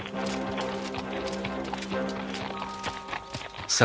setelah berjalan anthony menemukan anthony